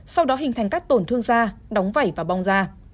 sau đó hình thành các tổn thương da đóng vẩy và bong da